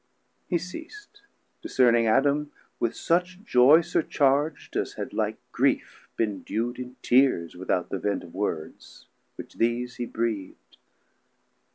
370 He ceas'd, discerning Adam with such joy Surcharg'd, as had like grief bin dew'd in tears, Without the vent of words, which these he breathd.